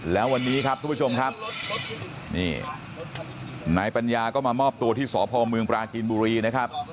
แล้ววันนี้ครับทุกผู้ชมครับนี่นายปัญญาก็มามอบตัวที่สพเมืองปราจีนบุรีนะครับ